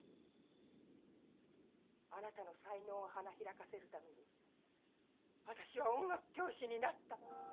あなたの才能を花開かせるために私は音楽教師になった。